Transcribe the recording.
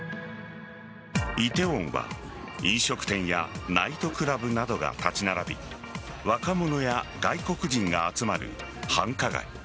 梨泰院は飲食店やナイトクラブなどが立ち並び若者や外国人が集まる繁華街。